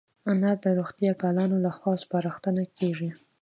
انار د روغتیا پالانو له خوا سپارښتنه کېږي.